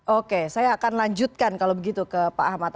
oke saya akan lanjutkan kalau begitu ke pak ahmad